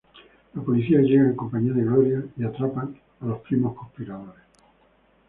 La policía llega en compañía de Gloria, y atrapan a los primos conspiradores.